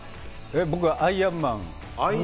僕はアイアンマン。